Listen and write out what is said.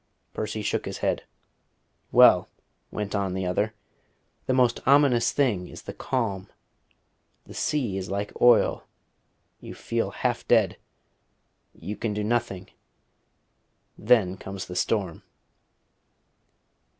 Percy shook his head. "Well," went on the other, "the most ominous thing is the calm. The sea is like oil; you feel half dead: you can do nothing. Then comes the storm."